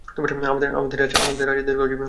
আমাদের রাজা দীর্ঘজীবী হউন!